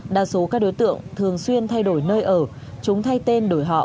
đa số các đối tượng thường xuyên thay đổi nơi ở chúng thay tên đổi họ